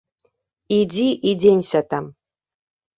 Ідзі і дзенься там.